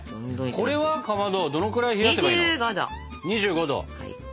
これはかまどどのくらい冷やせばいいの？